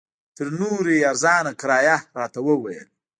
تر نورو یې ارزانه کرایه راته وویل.